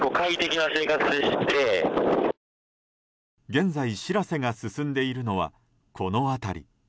現在、「しらせ」が進んでいるのはこの辺り。